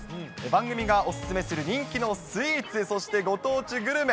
番組がお勧めする人気のスイーツ、そして、ご当地グルメ。